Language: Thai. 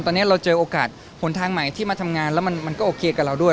ตอนนี้เราเจอโอกาสหนทางใหม่ที่มาทำงานแล้วมันก็โอเคกับเราด้วย